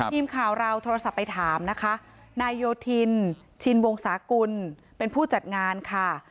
ทีมข่าวเราโทรศัพท์ไปถามนะคะนายโยธินชินวงศากุลเป็นผู้จัดงานค่ะ